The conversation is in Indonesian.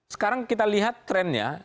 sekarang kita lihat trendnya